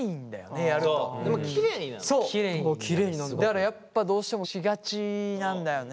だからやっぱどうしてもしがちなんだよね。